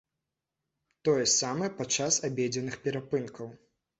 Тое самае падчас абедзенных перапынкаў.